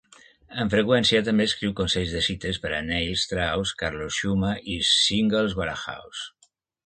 Amb freqüència també escriu consells de cites per a Neil Strauss, Carlos Xuma i Singles Warehouse.